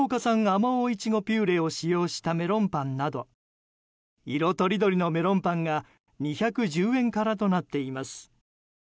まおうイチゴピューレを使用したメロンパンなど色とりどりのメロンパンが２１０円からとなっています。